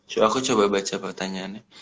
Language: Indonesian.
coba aku coba baca pertanyaannya